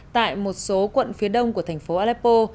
tại một số quận phía đông của thành phố aleppo